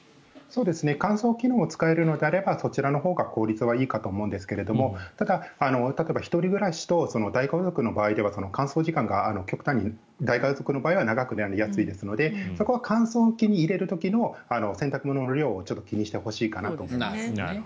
乾燥機能を使えるのであればそちらのほうが効率はいいかと思うんですけどもただ、例えば１人暮らしと大家族の場合では乾燥時間が極端に大家族の場合は長くなりやすいのでそこは乾燥機に入れる時の洗濯物の量を気にしてほしいかなと思います。